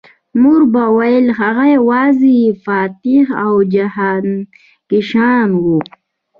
مور به ویل هغه یوازې فاتح او جهانګشا و